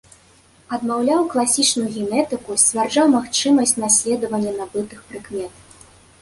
Адмаўляў класічную генетыку, сцвярджаў магчымасць наследавання набытых прыкмет.